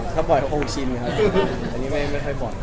ตรงนั้นครับ